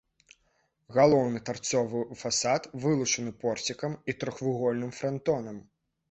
Галоўны тарцовы фасад вылучаны порцікам і трохвугольным франтонам.